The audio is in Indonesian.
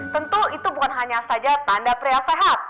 tentu itu bukan hanya saja tanda pria sehat